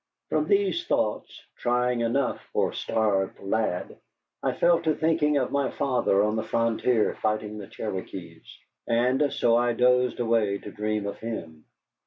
From these thoughts, trying enough for a starved lad, I fell to thinking of my father on the frontier fighting the Cherokees. And so I dozed away to dream of him.